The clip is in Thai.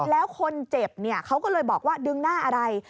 แล้วคนเจ็บเขาก็เลยบอกว่าดึงหน้าอะไร